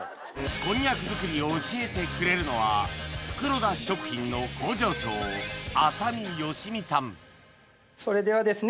こんにゃく作りを教えてくれるのは袋田食品のそれではですね。